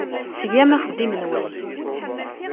Tgam axeddim-nwen.